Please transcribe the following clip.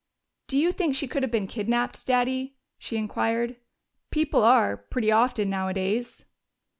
"Do you think she could have been kidnaped, Daddy?" she inquired. "People are, pretty often, nowadays."